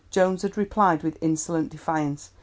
Jones had replied with insolent defiance.